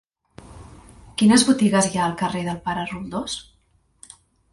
Quines botigues hi ha al carrer del Pare Roldós?